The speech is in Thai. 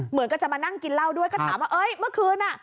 เหมือนก็จะมานั่งกินเหล้าด้วยก็ถามว่าเอ้ยเมื่อคืนอ่ะ